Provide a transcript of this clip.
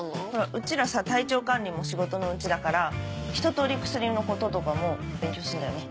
うちらさ体調管理も仕事のうちだから一通り薬のこととかも勉強すんだよね。